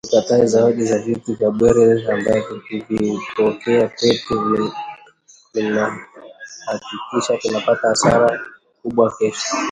Tukatae zawadi na vitu vya bwerere ambavyo kuvipokea kwetu kunahakikisha tutapata hasara kubwa kesho